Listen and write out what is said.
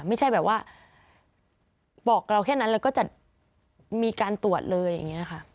ไม่ใช่แบบว่าบอกเราแค่นั้นแล้วก็จะมีการตรวจเลยอย่างนี้ค่ะ